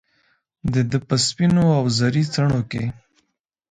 دده په سپینواوزري څڼوکې